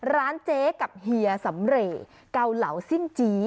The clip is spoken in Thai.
ร้านเจ๊กับเฮียสำเรย์เกาเหลาซิ่งจี้